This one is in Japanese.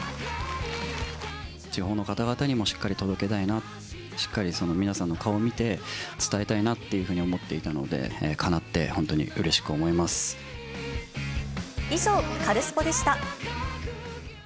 地方の方々にもしっかり届けたいな、しっかり皆さんの顔を見て、伝えたいなっていうふうに思っていたので、以上、カルスポっ！でした。